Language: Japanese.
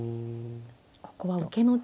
ここは受けの力が。